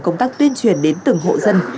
công tác tuyên truyền đến từng hộ dân